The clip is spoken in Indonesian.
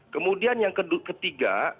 kemudian yang ketiga